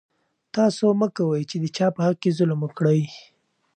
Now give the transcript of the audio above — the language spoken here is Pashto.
تاسو مه کوئ چې د چا په حق کې ظلم وکړئ.